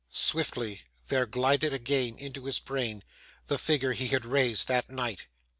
Swiftly, there glided again into his brain the figure he had raised that night.